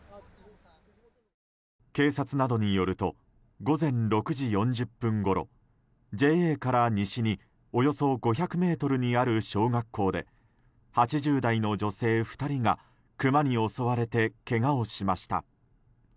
警察などによると午前６時４０分ごろＪＡから西におよそ５００ｍにある小学校で８０代の女性２人がクマに襲われてけがをしました。